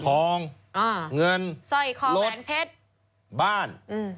ของเงินรถบ้าน